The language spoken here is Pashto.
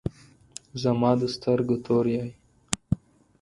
زما د سترګو تور یی